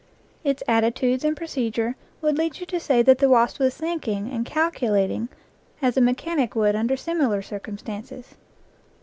Its attitudes and procedure would lead you to say that the wasp was thinking and calculating as a mechanic would under similar circumstances.